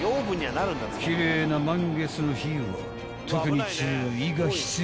［奇麗な満月の日は特に注意が必要な妖怪だ］